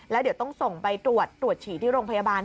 แล้วเดี๋ยวต้องส่งไปตรวจตรวจฉี่ที่โรงพยาบาล